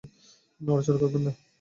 নড়াচড়া করবেন না।